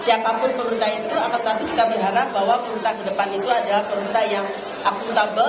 siapapun pemerintah itu akan tetapi kita berharap bahwa pemerintah ke depan itu adalah pemerintah yang akuntabel